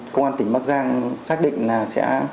công an tỉnh bắc giang xác định là sẽ